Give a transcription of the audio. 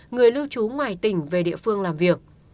người lưu trú ngoài tỉnh về địa phương làm việc